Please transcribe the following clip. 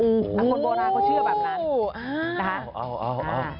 คนโบราณเขาเชื่อแบบนั้นอ้าว